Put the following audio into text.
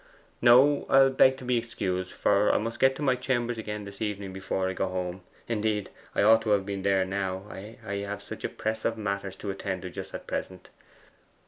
'No; I'll beg to be excused; for I must get to my chambers again this evening before I go home; indeed, I ought to have been there now I have such a press of matters to attend to just at present.